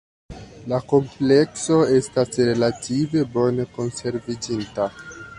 La komplekso estas relative bone konserviĝinta.